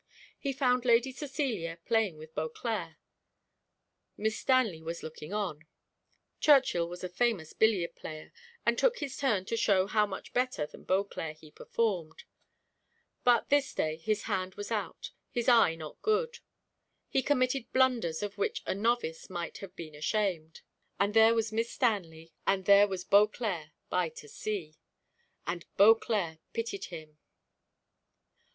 He found Lady Cecilia playing with Beauclerc; Miss Stanley was looking on. Churchill was a famous billiard player, and took his turn to show how much better than Beauclerc he performed, but this day his hand was out, his eye not good; he committed blunders of which a novice might have been ashamed. And there was Miss Stanley and there was Beauclerc by to see! and Beauclerc pitied him!